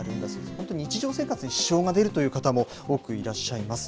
本当、日常生活に支障が出るという方も多くいらっしゃいます。